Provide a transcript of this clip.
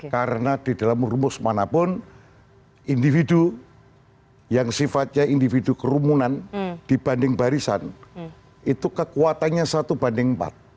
karena di dalam rumus manapun individu yang sifatnya individu kerumunan dibanding barisan itu kekuatannya satu banding empat